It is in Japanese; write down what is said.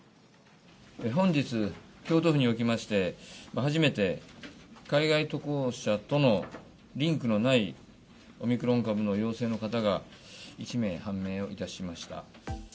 本日、京都府におきまして、初めて海外渡航者とのリンクのないオミクロン株の陽性の方が１名判明をいたしました。